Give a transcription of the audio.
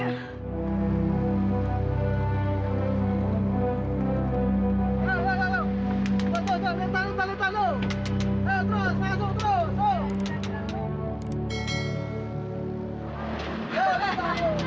nanti kita taruh taruh